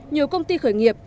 nhiều công ty khởi nghiệp